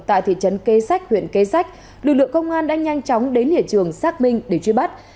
tại thị trấn kê sách huyện kê sách lực lượng công an đã nhanh chóng đến hiện trường sác minh để truy bắt